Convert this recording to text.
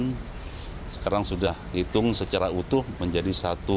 dan sekarang sudah hitung secara utuh menjadi satu delapan